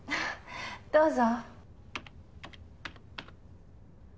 どうぞ。